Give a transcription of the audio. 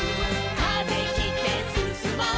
「風切ってすすもう」